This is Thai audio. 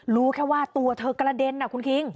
รู้แค่ว่าตัวเธอกระเด็นคุณคิง